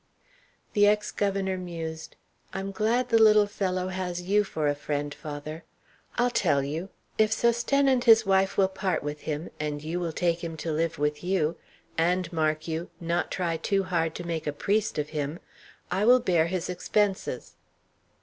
The ex governor mused. "I'm glad the little fellow has you for a friend, father. I'll tell you; if Sosthène and his wife will part with him, and you will take him to live with you, and, mark you, not try too hard to make a priest of him, I will bear his expenses."